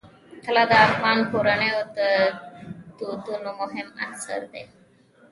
طلا د افغان کورنیو د دودونو مهم عنصر دی.